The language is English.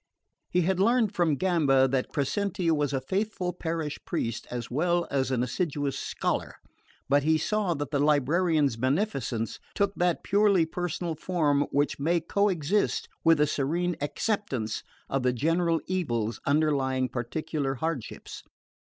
He had learned from Gamba that Crescenti was a faithful parish priest as well as an assiduous scholar, but he saw that the librarian's beneficence took that purely personal form which may coexist with a serene acceptance of the general evils underlying particular hardships.